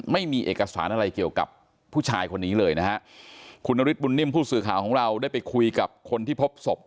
ไม่มีเอกสารอะไรเกี่ยวกับผู้ชายคนนี้เลยนะฮะคุณนฤทธบุญนิ่มผู้สื่อข่าวของเราได้ไปคุยกับคนที่พบศพ